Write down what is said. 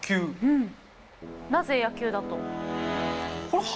なぜ野球だと？